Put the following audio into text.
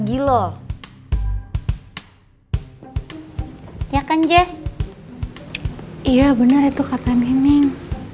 iya bener itu kata neneng